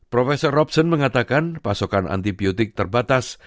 prof robsen mengatakan pasokan antibiotik terbatas